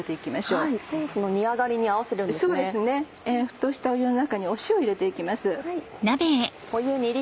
沸騰した湯の中に塩を入れて行きます。